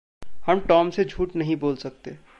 हम टॉम से झूठ नहीं बोल सकते।